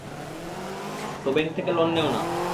তো ব্যাংক থেকে লোন নেও না।